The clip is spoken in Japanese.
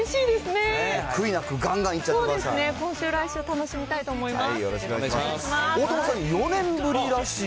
そうですね、今週、来週、楽しみたいと思います。